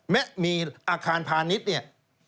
แม้มีอาคารพาณิชย์